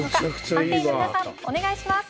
判定員の皆さんお願いします。